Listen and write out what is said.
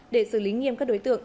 để xử lý nghiêm các đối tượng